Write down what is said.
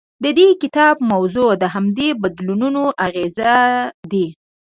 د دې کتاب موضوع د همدې بدلونونو اغېز دی.